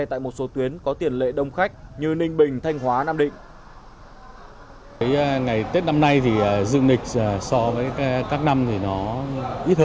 tại một số tuyến có tiền lệ đông khách như ninh bình thanh hóa nam định